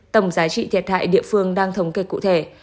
tổng giá trị thiệt hại địa phương đang thống kê cụ thể